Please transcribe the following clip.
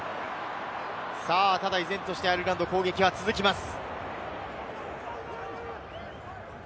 依然としてアイルランドの攻撃が続きます。